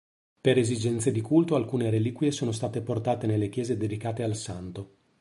Per esigenze di culto alcune reliquie sono state portate nelle chiese dedicate al Santo.